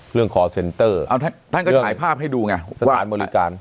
คอร์เซ็นเตอร์ท่านก็ฉายภาพให้ดูไงว่าอันบริการ